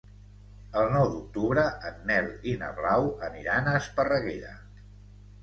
El nou d'octubre en Nel i na Blau aniran a Esparreguera.